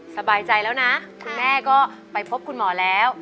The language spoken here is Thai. สบายใจแล้วนะคุณแม่ก็ไปพบคุณหมอแล้ว